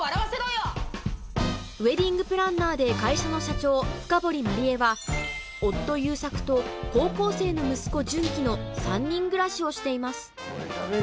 ウェディングプランナーで会社の社長深堀万里江は夫・悠作と高校生の息子・順基の３人暮らしをしています